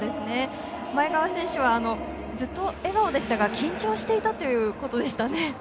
前川選手はずっと笑顔でしたが緊張していたということでしたね。